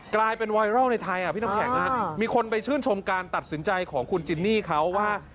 กลายเป็นไวรัลในไทยพี่น้ำแข็งมีคนไปชื่นชมการตัดสินใจของคุณจินนี่เขาว่า